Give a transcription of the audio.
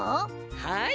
はい。